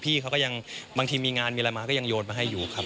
พี่เขาก็ยังบางทีมีงานมีอะไรมาก็ยังโยนมาให้อยู่ครับ